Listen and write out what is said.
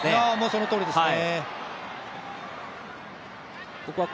そのとおりですね。